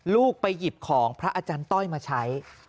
ลูกไปหยิบของพระอาจารย์ต้อยมาใช้